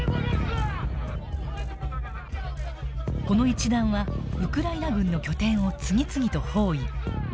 この一団はウクライナ軍の拠点を次々と包囲。